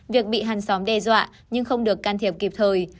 việc bị hàng xóm đe dọa nhưng không được can thiệp kịp thời